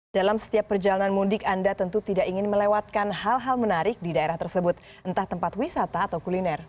dalam setiap perjalanan mudik anda tentu tidak ingin melewatkan hal hal menarik di daerah tersebut entah tempat wisata atau kuliner